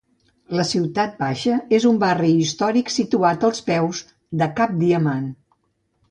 La Ciutat Baixa és un barri històric situat als peus de cap Diamant.